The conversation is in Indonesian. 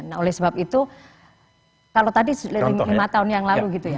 nah oleh sebab itu kalau tadi lima tahun yang lalu gitu ya